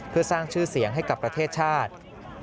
เพื่อสร้างชื่อเสียงให้กับประเทศชาติ